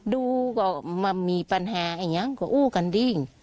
ดูก็มีปัญหาอย่างนั้นก็อู้กันดิ